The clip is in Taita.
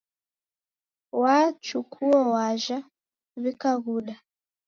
W'achukuo w'ajha w'ikaghuda